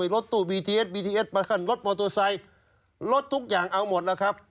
รถตู้บีทีเอสบีทีเอสมาคันรถมอเตอร์ไซค์รถทุกอย่างเอาหมดแล้วครับ